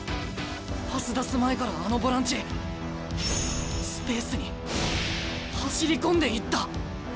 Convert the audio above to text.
パス出す前からあのボランチスペースに走り込んでいった！